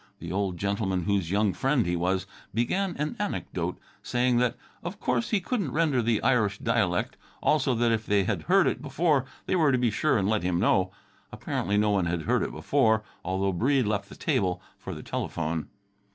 The old gentleman, whose young friend he was, began an anecdote, saying that of course he couldn't render the Irish dialect, also that if they had heard it before they were to be sure and let him know. Apparently no one had heard it before, although Breede left the table for the telephone.